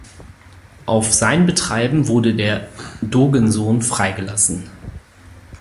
Auf sein Betreiben wurde der Dogensohn freigelassen.